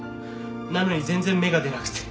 なのに全然芽が出なくて。